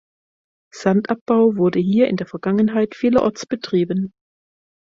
Sandabbau wurde hier in der Vergangenheit vielerorts betrieben.